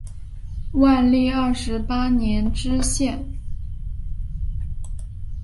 万历二十八年知县。